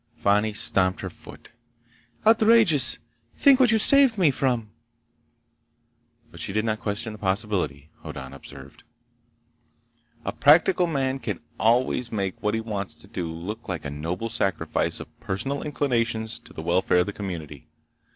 Fani stamped her foot. "Outrageous! Think what you saved me from!" But she did not question the possibility. Hoddan observed: "A practical man can always make what he wants to do look like a noble sacrifice of personal inclinations to the welfare of the community.